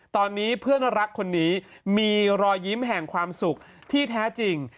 ตอนนี้เพื่อนรักคนนี้มีรอยยิ้มแห่งความสุขที่แท้จริง